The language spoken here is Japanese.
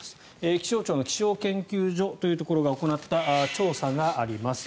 気象庁の気象研究所というところが行った調査があります。